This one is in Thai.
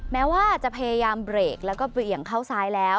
แม้ว่าจะพยายามเบรกแล้วก็เบี่ยงเข้าซ้ายแล้ว